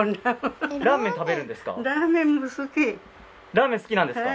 ラーメン好きなんですか？